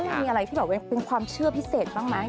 แล้วเรามีอะไรที่บอกว่าเป็นความเชื่อพิเศษบ้างมั้ย